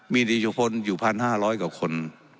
มีดีจุพลอยู่๑๕๐๐กว่าคน